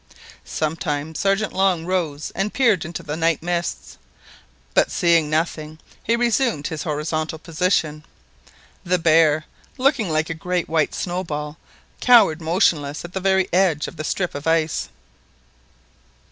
Sometimes Sergeant Long rose and peered into the night mists, bat seeing nothing, he resumed his horizontal position. The bear, looking like a great white snowball, cowered motionless at the very edge of the strip of ice.